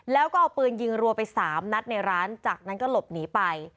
แล้วก็เอาปืนยิงรัวไป๓นัดในร้านจากนั้นก็หลบหนีไป